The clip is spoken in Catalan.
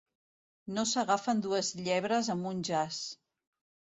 No s'agafen dues llebres amb un jaç.